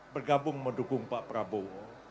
bergabung mendukung pak prabowo